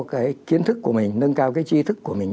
cái kiến thức của mình nâng cao cái chi thức của mình